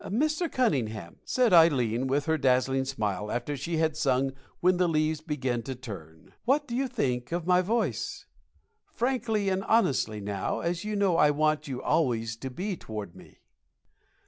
"Mr. Cunningham," said Ileen, with her dazzling smile, after she had sung "When the Leaves Begin to Turn," "what do you really think of my voice? Frankly and honestly, now, as you know I want you to always be toward me."